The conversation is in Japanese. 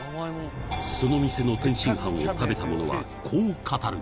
その店の天津飯を食べた者はこう語る。